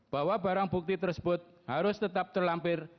bahwa barang bukti tersebut harus tetap terlampir